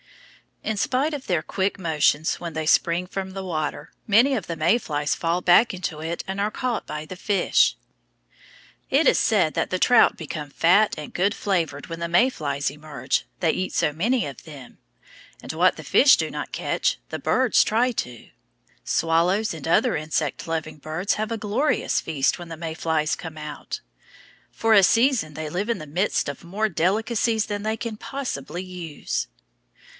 In spite of their quick motions when they spring from the water, many of the May flies fall back into it and are caught by the fish. [Illustration here, as the text is broken] It is said that the trout become fat and good flavored when the May flies emerge, they eat so many of them. And what the fish do not catch the birds try to. Swallows and other insect loving birds have a glorious feast when the May flies come out. For a season they live in the midst of more delicacies than they can possibly use.